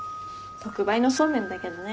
特売のそうめんだけどね。